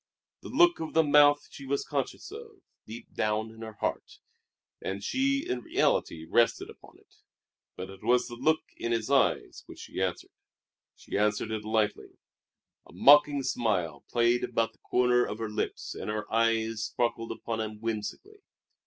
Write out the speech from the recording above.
The look of the mouth she was conscious of, deep down in her heart, and she in reality rested upon it; but it was the look in his eyes which she answered. She answered it lightly. A mocking smile played about the corners of her lips and her eyes sparkled upon him whimsically.